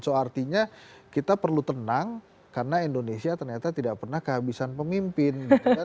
so artinya kita perlu tenang karena indonesia ternyata tidak pernah kehabisan pemimpin